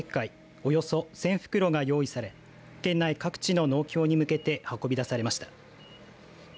およそ１０００袋が用意され県内各地の農協に向けて運び出されました。